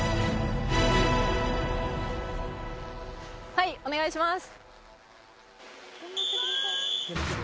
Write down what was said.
はいお願いします